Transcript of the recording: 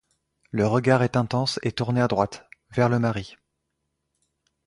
Le regard est intense et tourné à droite, vers le mari.